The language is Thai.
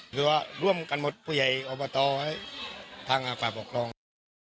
หรือว่าร่วมกันหมดผู้ใหญ่อบตไว้ทางฝ่ายปกครอง